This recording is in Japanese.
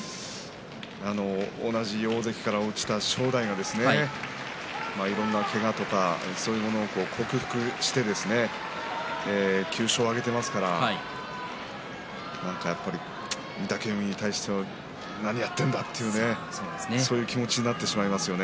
同じ大関から落ちた正代がいろんなけがとかそういうものを克服して９勝を挙げていますからなんかやっぱり御嶽海に対しては何をやっているんだとそういう気持ちになってしまいます。